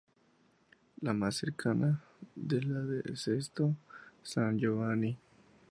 La más cercana es la de Sesto San Giovanni.